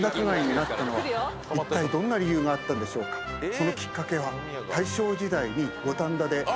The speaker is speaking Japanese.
そのきっかけは。